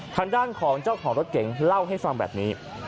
ทางด้านของเจ้าของรถเก๋งเล่าให้ฟังแบบนี้